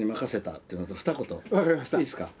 いいっすか？